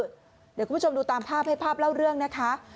เดี๋ยวคุณผู้ชมดูตามภาพให้ภาพเล่าเรื่องนะคะ